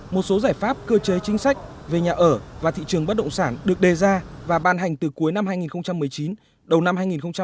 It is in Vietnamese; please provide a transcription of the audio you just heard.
một số giải pháp cơ chế chính sách về nhà ở và thị trường bất động sản được đề ra và ban hành từ cuối năm hai nghìn một mươi chín đầu năm hai nghìn hai mươi